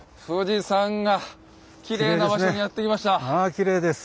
きれいですね。